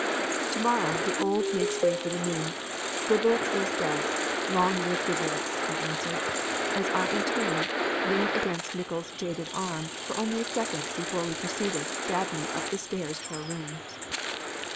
"To morrow the old makes way for the new. Goodloets is dead! Long live Goodloets!" I answered, as I in turn leaned against Nickols' jaded arm for only a second before we preceded Dabney up the stairs to our rooms.